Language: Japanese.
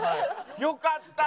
よかった！